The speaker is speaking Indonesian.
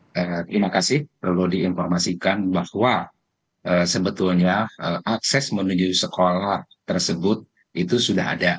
terima kasih perlu diinformasikan bahwa sebetulnya akses menuju sekolah tersebut itu sudah ada